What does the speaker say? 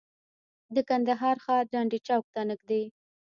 د کندهار ښار ډنډ چوک ته نږدې.